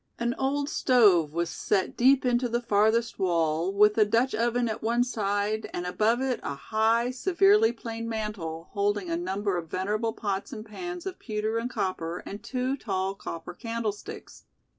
An old stove was set deep into the farthest wall with a Dutch oven at one side and above it a high, severely plain mantel holding a number of venerable pots and pans of pewter and copper and two tall, copper candlesticks.